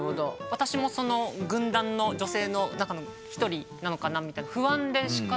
私もその軍団の女性の中の一人なのかなみたいな。